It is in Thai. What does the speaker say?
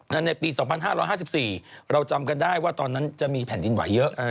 ในปี๒๕๕๔เราจำกันได้ว่าตอนนั้นจะมีแผ่นดินไหวเยอะ